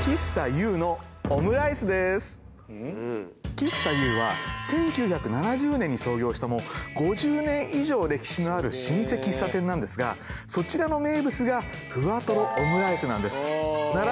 「喫茶ｙｏｕ」は１９７０年に創業した５０年以上歴史のある老舗喫茶店なんですがそちらの名物がふわとろオムライスなんです。